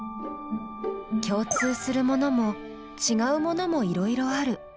共通するものもちがうものもいろいろある。